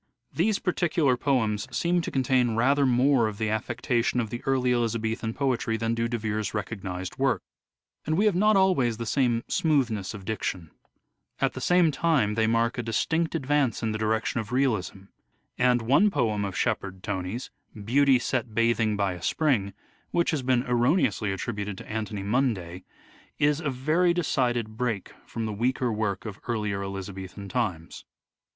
These particular poems seem to contain rather more of the affectation of the early Elizabethan poetry than do De Vere's recognized work, and have not always the same smoothness of diction. At the EARLY LIFE OF EDWARD DE VERE 251 same time they mark a distinct advance in the direction of realism ; and one poem of Shepherd Tony's, " Beauty sat bathing by a spring," which has been erroneously attributed to Anthony Munday, is a very decided break from the weaker work of earlier Elizabethan times.